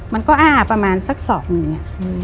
มันก็อ้าประมาณสักศอกหนึ่ง